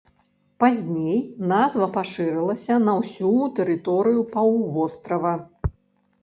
Пазней назва пашырылася на ўсю тэрыторыю паўвострава.